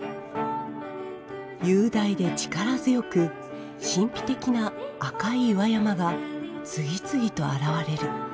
雄大で力強く神秘的な赤い岩山が次々と現れる。